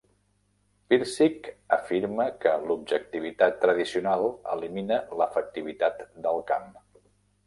Pirsig afirma que l'objectivitat tradicional elimina l'efectivitat del camp.